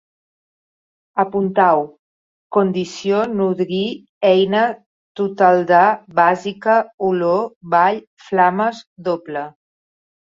Apuntau: condició, nodrir, eina, total de, bàsica, olor, vall, flames, doble